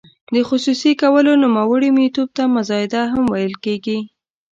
د خصوصي کولو نوموړي میتود ته مزایده هم ویل کیږي.